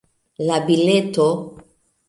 La bileto